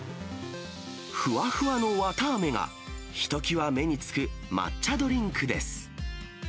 ふわふわの綿あめが、ひときわ目につく抹茶ドリンクです。